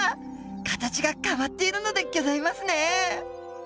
形が変わっているのでギョざいますね。